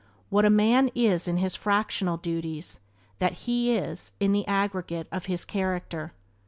What a man is in his fractional duties that he is in the aggregate of his character.